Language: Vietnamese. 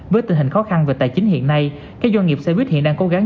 với tình hình khó khăn về tài chính hiện nay các doanh nghiệp xe buýt hiện đang cố gắng